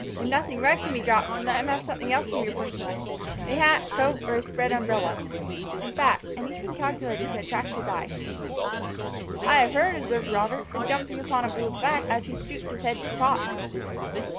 If nothing red can be dropped, then let him have something else from your person a hat, coat, or a spread umbrella in fact anything calculated to attract his eye." "I have heard," observed Robert, "of jumping upon a bull's back, as he stooped his head to toss."